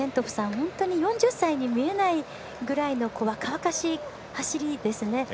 本当に４０歳に見えないぐらいの若々しい走りですね。